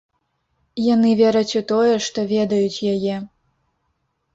Яны вераць у тое, што ведаюць яе.